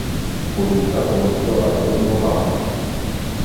Ubikaho umutwe wawe mo aho